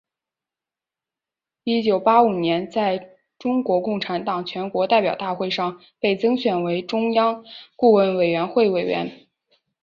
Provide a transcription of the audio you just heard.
一九八五年在中国共产党全国代表大会上被增选为中央顾问委员会委员。